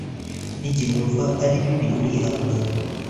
n'igihe wumva ari bibi urihangana